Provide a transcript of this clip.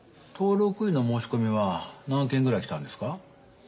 登録医の申し込みは何件くらい来たんですか？